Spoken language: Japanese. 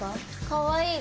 かわいい。